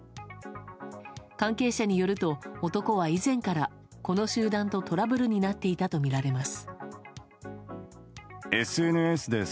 関係者によると、男は以前からこの集団とトラブルになっていたとみられます。